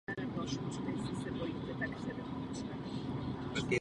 Podnik postupem času opouštěl produkci těžších kusů a zaměřoval se spíše na jemnější produkci.